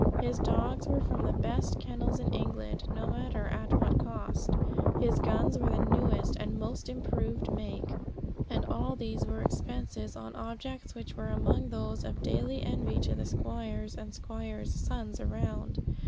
His dogs were from the best kennels in England, no matter at what cost; his guns were the newest and most improved make; and all these were expenses on objects which were among those of daily envy to the squires and squires' sons around.